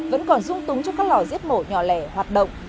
vẫn còn dung túng trong các lò giết mổ nhỏ lẻ hoạt động